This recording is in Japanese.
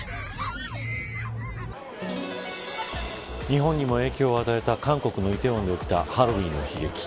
日本にも影響を与えた韓国の梨泰院で起きたハロウィーンの悲劇。